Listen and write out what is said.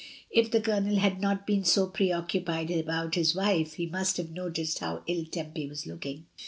If the Colonel had not been so preoccupied about his wife he must have noticed how ill Tempy was looking.